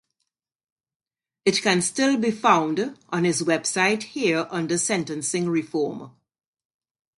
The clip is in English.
It can still be found on his website here under sentencing reform.